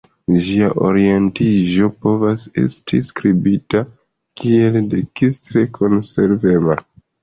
Ĝia orientiĝo povas esti priskribita kiel dekstre konservema.